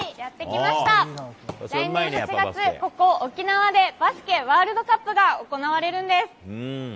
来年８月、ここ、沖縄でバスケワールドカップが行われるんです。